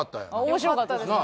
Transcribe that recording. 面白かったですよ。